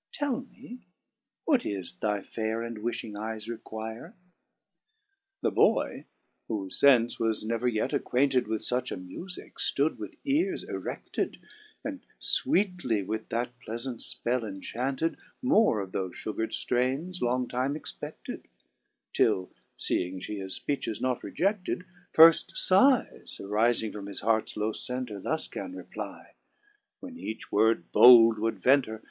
Tell me, what ifl: thy faire and wifhing eyes require ?*' 5 The boy, (whofe fence was never yet acquainted With fuch a mufique,) flood with eares areAed, And, fweetly with that pleafant fpell enchanted. More of thofe fugred ftraines long time expefted ; Till feeing fhe his fpeeches not rejedled, Firft fighes arifing from his heart's low center. Thus gan reply, when each word bold would venter.